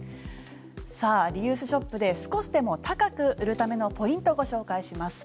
リユースショップで少しでも高く売るためのポイントご紹介します。